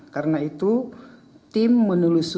karena itu tim menelusuri kebenaran informasi tersebut